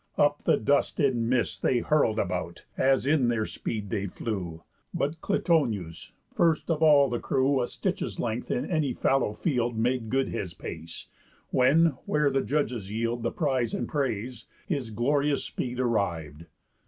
Up the dust in mists They hurl'd about, as in their speed they flew; But Clytonëus first of all the crew A stitch's length in any fallow field Made good his pace; when, where the judges yield The prize and praise, his glorious speed arriv'd.